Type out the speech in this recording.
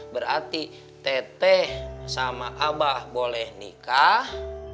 berarti teh teh sama abah boleh nikah